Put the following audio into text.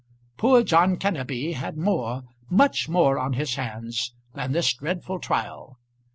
Poor John Kenneby had more much more, on his hands than this dreadful trial.